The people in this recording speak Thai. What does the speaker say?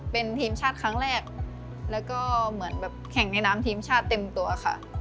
เป็นทีมชาติครั้งแรกแล้วก็เหมือนแบบแข่งในนามทีมชาติเต็มตัวค่ะ